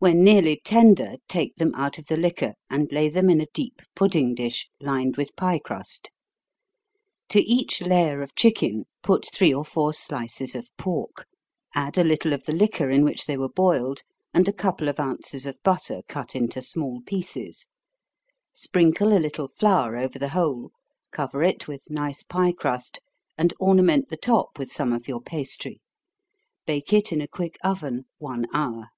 When nearly tender, take them out of the liquor, and lay them in a deep pudding dish, lined with pie crust. To each layer of chicken, put three or four slices of pork add a little of the liquor in which they were boiled, and a couple of ounces of butter, cut into small pieces sprinkle a little flour over the whole, cover it with nice pie crust, and ornament the top with some of your pastry. Bake it in a quick oven one hour.